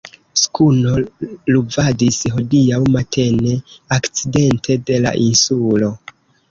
Skuno luvadis hodiaŭ matene okcidente de la Insulo.